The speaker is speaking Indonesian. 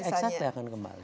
exactly akan kembali